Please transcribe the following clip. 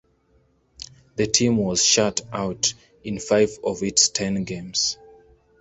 The team was shut out in five of its ten games.